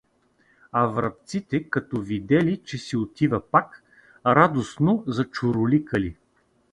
А врабците, като видели, че си отива пак, радостно зачуруликали.